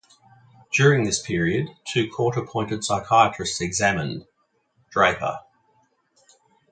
During this period, two court-appointed psychiatrists examined... Draper.